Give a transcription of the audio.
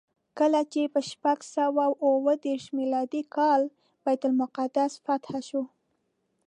کله چې په شپږ سوه اوه دېرش میلادي کال بیت المقدس فتحه شو.